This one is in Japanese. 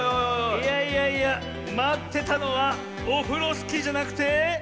いやいやいやまってたのはオフロスキーじゃなくて。